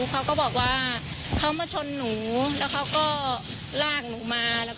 เขาก็บอกว่าเขามาชนหนูแล้วเขาก็ลากหนูมา